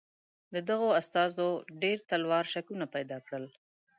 د دغو استازو ډېر تلوار شکونه پیدا کړل.